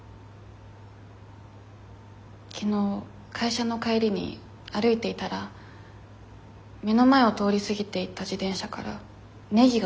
昨日会社の帰りに歩いていたら目の前を通り過ぎていった自転車からネギが落ちて。